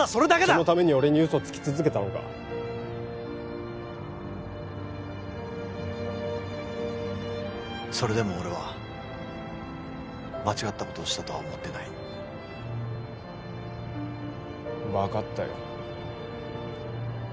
そのために俺に嘘つき続けたのかそれでも俺は間違ったことをしたとは思ってない分かったよ